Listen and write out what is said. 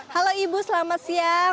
halo ibu selamat siang